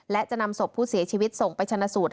และจะนำศพผู้เสียชีวิตส่งไปชนะสูตร